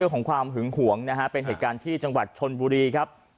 ของความหึงหวงนะฮะเป็นเหตุการณ์ที่จังหวัดชนบุรีครับ